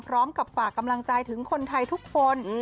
ฝากกำลังใจถึงคนไทยทุกคน